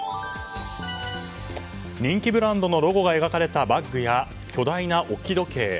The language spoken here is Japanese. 人気ブランドのロゴが描かれたバッグや巨大な置時計。